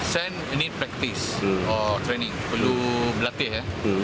sen perlu berlatih